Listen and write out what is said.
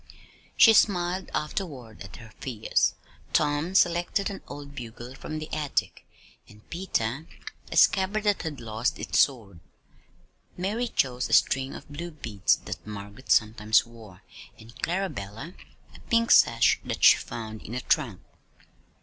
She smiled afterward at her fears. Tom selected an old bugle from the attic, and Peter a scabbard that had lost its sword. Mary chose a string of blue beads that Margaret sometimes wore, and Clarabella a pink sash that she found in a trunk.